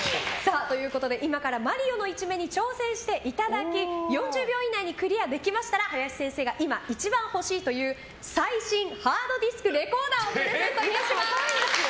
今から「マリオ」の１面に挑戦していただき４０秒以内にクリアできましたら林先生が今一番欲しいという最新ハードディスクレコーダーをプレゼントいたします！